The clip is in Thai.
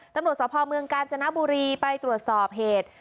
ตำรวจสภเมืองกาญจนบุรีไปตรวจสอบเหตุ